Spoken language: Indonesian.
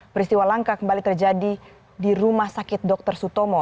peristiwa langka kembali terjadi di rumah sakit dr sutomo